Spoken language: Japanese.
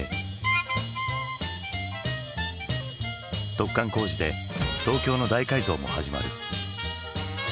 突貫工事で東京の大改造も始まる。